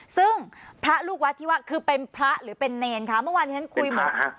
ซึ่งพระลูกวัดที่ว่าคือเป็นพระหรือเป็นเนรค่ะเมื่อวานที่ท่านคุยหมดเป็นพระครับ